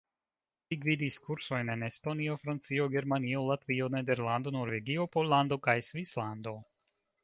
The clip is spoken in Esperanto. Li gvidis kursojn en Estonio, Francio, Germanio, Latvio, Nederlando, Norvegio, Pollando kaj Svislando.